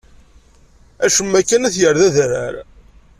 Acemma kan ad t-yerr d adrar.